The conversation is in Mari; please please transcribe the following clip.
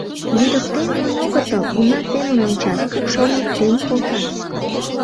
Лӱдыктен монь огытыл, уна семын ончат, пукшен-йӱктен колтат.